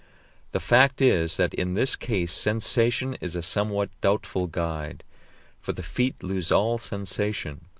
The fact is that in this case sensation is a somewhat doubtful guide, for the feet lose all sensation.